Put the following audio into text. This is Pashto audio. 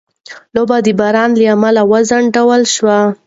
لوبه د باران له امله وځنډول شوه.